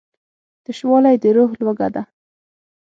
تشوالی د روح لوږه ده.